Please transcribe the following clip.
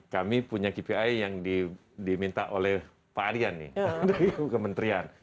kami punya kpi yang diminta oleh pak aryan nih dari kementerian